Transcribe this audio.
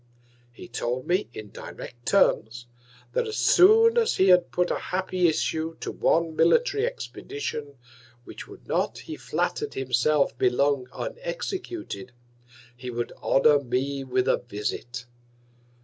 He told me, in direct Terms, that as soon as he had put an happy Issue to one Military Expedition, which would not, he flatter'd himself, be long unexecuted, he would honour me with a Visit.